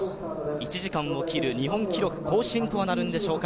１時間を切る日本記録更新とはなるんでしょうか。